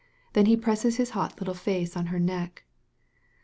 Then he presses his hot little face in her neck.